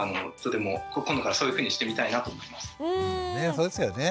そうですよね。